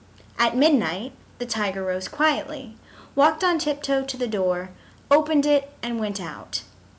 At midnight the tiger rose quietly, walked on tip toe to the door, opened it, and went out.